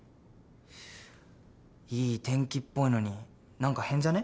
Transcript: いい天気っぽいのに何か変じゃね？